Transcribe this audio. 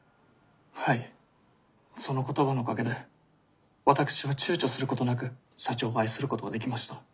はいその言葉のおかげで私はちゅうちょすることなく社長を愛することができました。